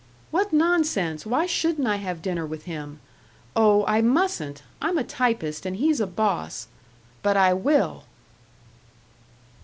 What nonsense! Why shouldn't I have dinner with him.... Oh, I mustn't I'm a typist and he's a boss.... But I will!"